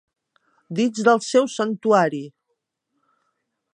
Dins del seu santuari!